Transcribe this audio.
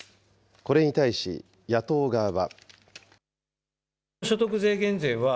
これに対し、野党側は。